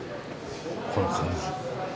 この感じ。